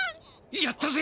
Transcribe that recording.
やったぜ！